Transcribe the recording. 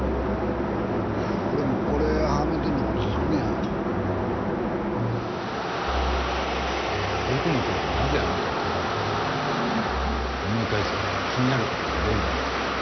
俺もこれはめてんのが落ち着くん奥野ちゃんがなぜあなたをかばうのか思い返せば気になることはいろいろあった。